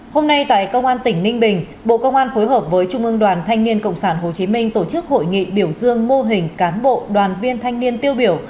hôm nay tại công an tỉnh ninh bình bộ công an phối hợp với trung ương đoàn thanh niên cộng sản hồ chí minh tổ chức hội nghị biểu dương mô hình cán bộ đoàn viên thanh niên tiêu biểu